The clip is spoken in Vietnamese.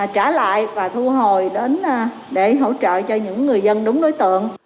trả lại và thu hồi đến để hỗ trợ cho những người dân đúng đối tượng